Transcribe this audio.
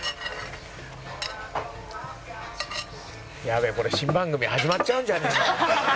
「やべえこれ新番組始まっちゃうんじゃねえの？」